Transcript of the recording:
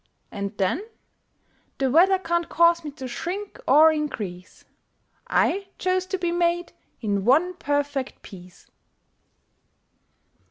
And, then, The weather can't cause me to shrink or increase: I chose to be made in one perfect piece!